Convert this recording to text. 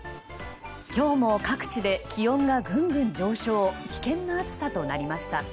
今日も各地で気温がぐんぐん上昇危険な暑さとなりました。